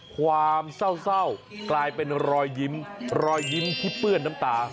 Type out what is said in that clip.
ความเศร้ากลายเป็นรอยยิ้มรอยยิ้มที่เปื้อนน้ำตา